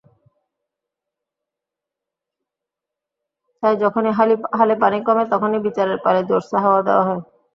তাই যখনই হালে পানি কমে, তখনই বিচারের পালে জোরসে হাওয়া দেওয়া হয়।